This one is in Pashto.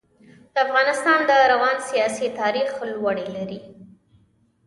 د افغانستان د روان سیاسي تاریخ لوړې لري.